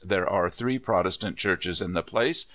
There are three Protestant Churches in the place.